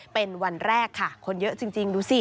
เป็นวันแรกค่ะคนเยอะจริงดูสิ